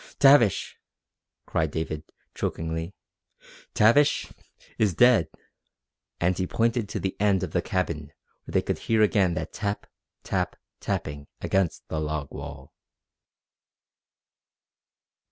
"Tavish ..." cried David chokingly; "Tavish is dead!" and he pointed to the end of the cabin where they could hear again that tap tap tapping against the log wall.